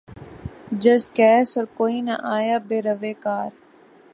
جزقیس اور کوئی نہ آیا بہ روے کار